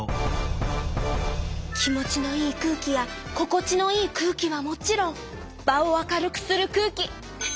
気持ちのいい空気やここちのいい空気はもちろん場を明るくする空気！